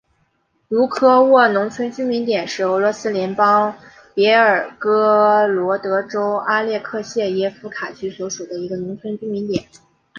茹科沃农村居民点是俄罗斯联邦别尔哥罗德州阿列克谢耶夫卡区所属的一个农村居民点。